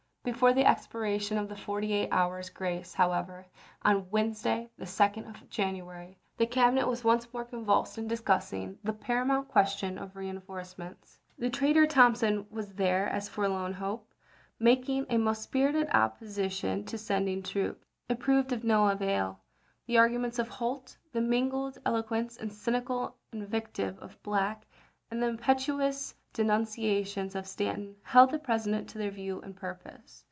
Before the expiration of the forty eight hours' grace, however, on Wednesday, the 2d of January, the Cabinet was once more convulsed in ism. discussing the paramount question of reinforce ments. The traitor Thompson was there as a for lorn hope, making a most spirited opposition to sending troops. It proved of no avail. The argu ments of Holt, the mingled eloquence and cynical invective of Black, and the impetuous denuncia tions of Stanton held the President to their view and purpose.